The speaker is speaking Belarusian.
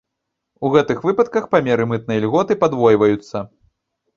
У гэтых выпадках памеры мытнай ільготы падвойваюцца.